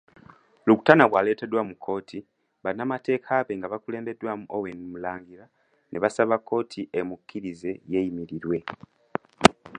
Rukutana bwaleteddwa mu kkooti, bannamateeka be nga bakulembeddwa Owen Mulangira ne basaba kkooti emukkirize yeeyimirirwe.